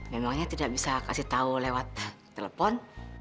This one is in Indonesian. memangnya tidak bisa kasih tahu lewat telepon